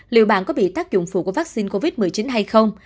liệu bạn có bị tác dụng phụ của vaccine covid một mươi chín hay không